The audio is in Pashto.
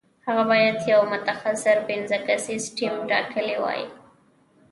هغه باید یو مختصر پنځه کسیز ټیم ټاکلی وای.